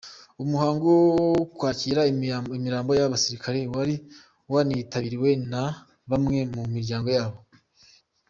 Umuhango wo kwakira imirambo y’aba basirikare wari wanitabiriwe na bamwe mu miryango yabo.